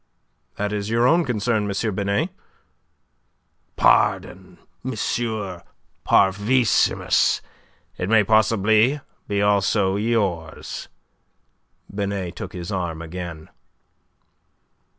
"That is your own concern, M. Binet." "Pardon, M. Parvissimus. It may possibly be also yours." Binet took his arm again.